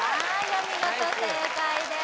お見事正解です